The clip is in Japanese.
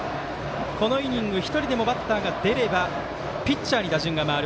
このイニング１人でもバッターが出ればピッチャーに打順が回る